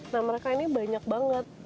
nah mereka ini banyak banget